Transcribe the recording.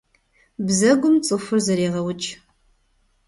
Бзэгум цӀыхур зэрегъэукӀ.